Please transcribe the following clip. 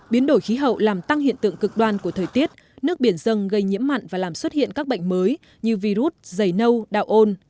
biến đổi khí hậu làm tăng hiện tượng cực đoan của thời tiết nước biển dâng gây nhiễm mặn và làm xuất hiện các bệnh mới như virus dày nâu đạo ôn